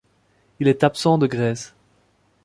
Il est absent de Grèce.